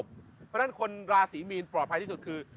เพราะฉะนั้นคนราศีมีนปลอดภัยที่สุดคือ